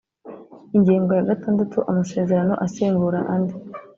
Ingingo ya gatandatu Amasezerano asimbura andi